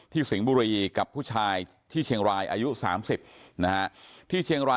ที่สิงห์บุรีกับผู้ชายที่เชียงรายอายุ๓๐นะฮะ